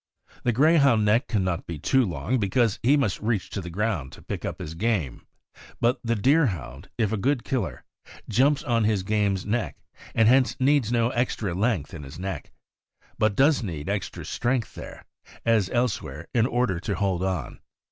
The Grey hound neck can not be too long, because he must reach to the ground to pick up his game; but the Deerhound, if a good killer, jumps on his game's neck, and hence needs no extra length in his neck, but does need extra strength there, as elsewhere, in order to hold on.